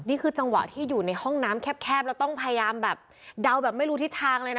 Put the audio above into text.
นี่คือจังหวะที่อยู่ในห้องน้ำแคบแล้วต้องพยายามแบบเดาแบบไม่รู้ทิศทางเลยนะ